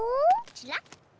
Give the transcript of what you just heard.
ちらっ。